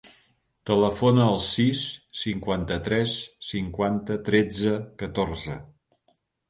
Telefona al sis, cinquanta-tres, cinquanta, tretze, catorze.